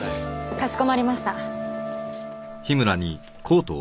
かしこまりました。